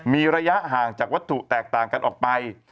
มีระยะห่างจากวัตถุแตกต่างกันออกไป